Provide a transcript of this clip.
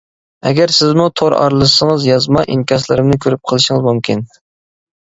ئەگەر سىزمۇ تور ئارىلىسىڭىز يازما، ئىنكاسلىرىمنى كۆرۈپ قېلىشىڭىز مۇمكىن.